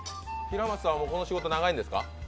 平松さん、この仕事長いんですか？